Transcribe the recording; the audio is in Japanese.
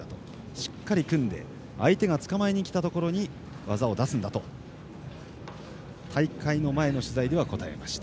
しっかり組んで相手がつかまえにきたところに技を出すんだと大会の前の取材では答えました。